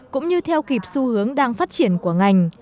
cũng như theo kịp xu hướng đang phát triển của ngành